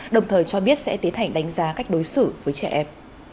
đồng thời cho biết sẽ tiến hành đánh giá cách đối xử với trẻ em